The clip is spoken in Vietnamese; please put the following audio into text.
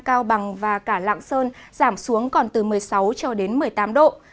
cao bằng và cả lạng sơn giảm xuống còn từ một mươi sáu cho đến một mươi tám độ